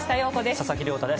佐々木亮太です。